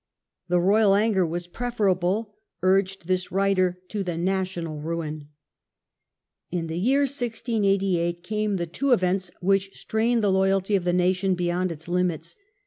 The royal anger was preferable, urged this writer, to the national ruin. In the year 1688 came the two events which strained the loyalty of the nation beyond its limits.